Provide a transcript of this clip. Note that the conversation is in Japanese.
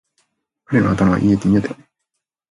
彼のあだ名は言い得て妙だよね。